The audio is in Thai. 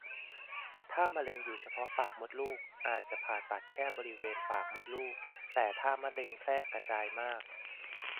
ถ้ามะเร็งอยู่เฉพาะปากมดลูกอาจจะผ่าตัดแค่บริเวณปากมดลูก แต่ถ้ามะเร็งแพร่กระจายมาก